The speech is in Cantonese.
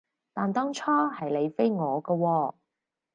但當初係你飛我㗎喎